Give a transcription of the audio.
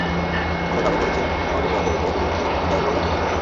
এমন দাবি করেছেন মালদ্বীপের অন্তর্গত দূরবর্তী কুদা হুবাধু দ্বীপের কিছু লোক।